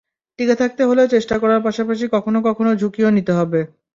টিকে থাকতে হলে চেষ্টা করার পাশাপাশি কখনো কখনো ঝুঁকিও নিতে হবে।